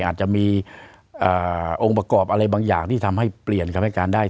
อาจจะมีองค์ประกอบอะไรบางอย่างที่ทำให้เปลี่ยนคำให้การได้